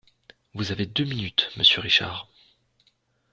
Vous avez deux minutes, monsieur Richard...